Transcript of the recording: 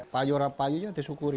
paya paya ya disyukuri